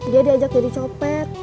dia diajak jadi copet